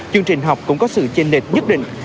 chương trình học cũng có sự chênh đẹp nhất định